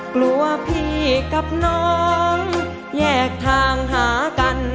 กลัวพี่กับน้องแยกทางหากัน